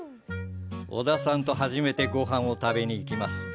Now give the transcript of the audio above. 織田さんと初めてご飯を食べに行きます。